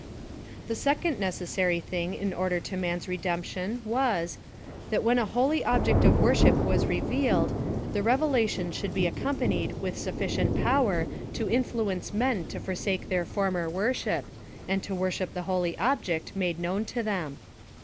The second necessary thing in order to man's re demption was, that when a holy object of worship was revealed, the revelation should be accompanied with sufficient power to influence men to forsake their former worship, and to worship the holy ob ject m^ade known to them